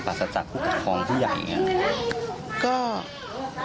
ภาษาจากผู้กัดคลองผู้ใหญ่อย่างนี้